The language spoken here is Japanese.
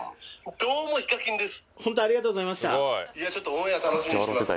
☎どうもＨＩＫＡＫＩＮです